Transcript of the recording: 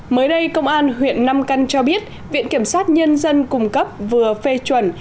mới đây công an huyện nam căn cho biết viện kiểm sát nhân dân cung cấp vừa phê chuẩn